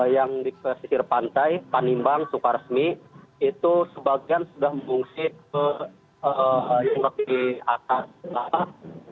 yang di pesisir pantai panimbang sukar resmi itu sebagian sudah mengungsi ke atas